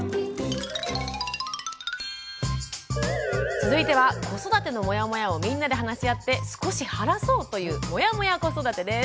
続いては子育てのモヤモヤをみんなで話し合って少し晴らそうという「モヤモヤ子育て」です。